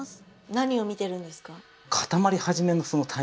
何を見てるんですか？